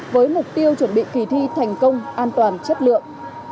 với mục tiêu chuẩn bị kỳ thi thành công an toàn chất lượng